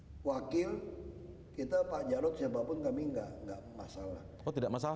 hai wakil kita pak jarod siapapun kami enggak enggak masalah tidak masalah